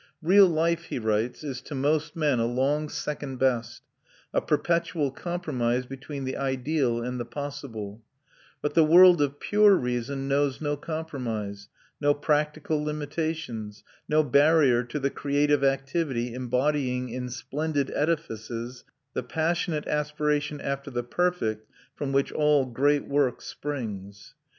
"Real life," he writes, "is to most men a long second best, a perpetual compromise between the ideal and the possible; but the world of pure reason knows no compromise, no practical limitations, no barrier to the creative activity embodying in splendid edifices the passionate aspiration after the perfect from which all great work springs.